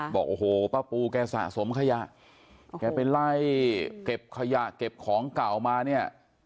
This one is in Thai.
บอกโอ้โหป้าปูแกสะสมขยะแกไปไล่เก็บขยะเก็บของเก่ามาเนี่ย